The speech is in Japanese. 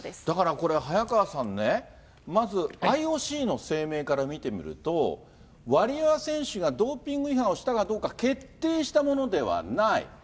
だからこれ、早川さんねまずＩＯＣの声明から見てみると、ワリエワ選手がドーピング違反をしたかどうか、決定したものではない。